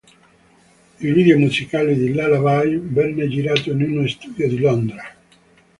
Il video musicale di "Lullaby", venne girato in uno studio di Londra.